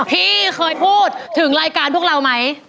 พี่เคยพูดถึงรายการพวกเราไหม